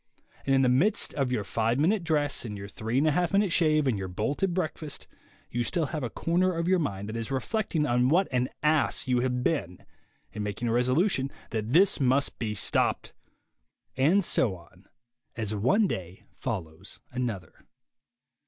And in the midst of your five minute dress, and your three and a half minute shave, and your bolted breakfast, you still have a corner of your mind that is reflecting on' what an ass you have been, and making a resolution that this must be stopped. And so on, as one day follows another.